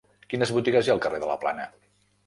Quines botigues hi ha al carrer de la Plana?